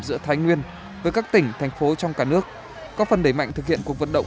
giữa thái nguyên với các tỉnh thành phố trong cả nước có phần đẩy mạnh thực hiện cuộc vận động